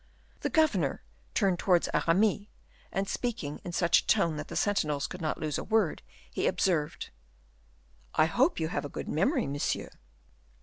The governor turned toward Aramis, and, speaking in such a tone that the sentinels could not lose a word, he observed, "I hope you have a good memory, monsieur?"